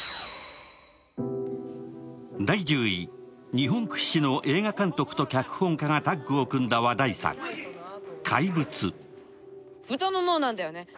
日本屈指の映画監督と脚本家がタッグを組んだ話題作、「怪物」。